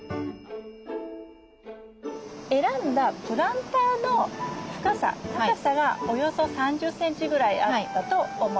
選んだプランターの深さ高さがおよそ３０センチぐらいあったと思います。